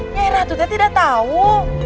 nyai ratu teh tidak tahu